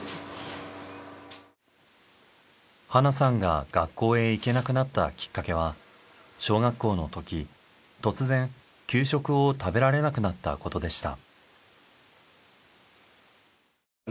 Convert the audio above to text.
ハナさんが学校へ行けなくなったきっかけは小学校のとき突然給食を食べられなくなったことでした。